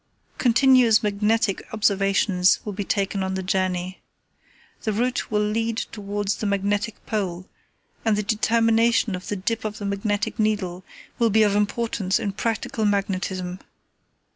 "Continuous magnetic observations will be taken on the journey. The route will lead towards the Magnetic Pole, and the determination of the dip of the magnetic needle will be of importance in practical magnetism.